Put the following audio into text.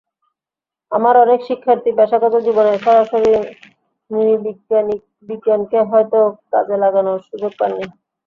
আমার অনেক শিক্ষার্থী পেশাগত জীবনে সরাসরি নৃবিজ্ঞানকে হয়তো কাজে লাগানোর সুযোগ পাননি।